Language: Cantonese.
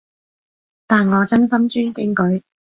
但我真心尊敬佢